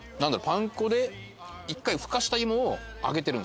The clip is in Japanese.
パン粉で１回ふかしたイモを揚げてるんですよ。